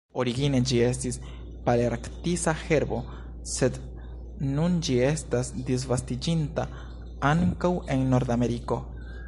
Origine ĝi estis palearktisa herbo sed nun ĝi estas disvastiĝinta ankaŭ en Nordameriko.